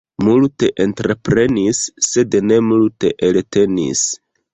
Multe entreprenis, sed ne multe eltenis.